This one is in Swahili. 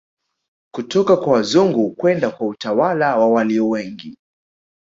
Kutoka kwa wazungu kwenda kwa utawala wa walio wengi